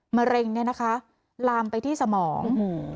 มะเร็งลามไปที่สมอง